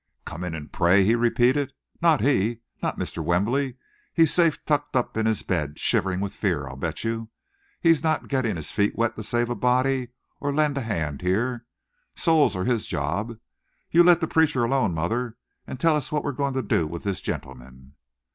"Come in and pray!" he repeated. "Not he! Not Mr. Wembley! He's safe tucked up in his bed, shivering with fear, I'll bet you. He's not getting his feet wet to save a body or lend a hand here. Souls are his job. You let the preacher alone, mother, and tell us what we're going to do with this gentleman."